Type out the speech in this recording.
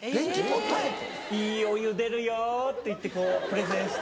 「いいお湯出るよ」っていってプレゼンして。